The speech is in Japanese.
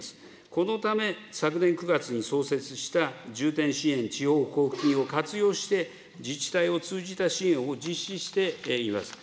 このため、昨年９月に創設した重点支援地方交付金を活用して、自治体を通じた支援を実施しています。